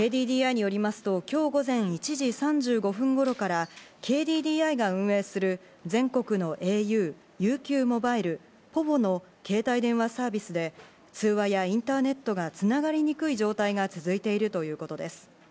ＫＤＤＩによりますと今日午前１時３５分頃からＫＤＤＩが運営する全国のａｕ、ＵＱモバイル、ｐｏｖｏの携帯電話サービスで、通話やインターネットが繋がりにくい状態が続いているということです。